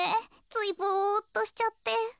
ついぼっとしちゃって。